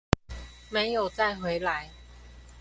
沒有再回來